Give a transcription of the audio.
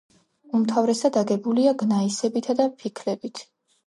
უმთავრესად აგებულია გნაისებითა და ფიქლებით.